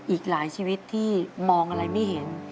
อีกหลายชีวิตที่มองอะไรไม่เห็น